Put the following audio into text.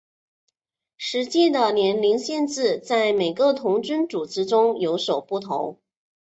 实际的年龄限制在每个童军组织中有所不同。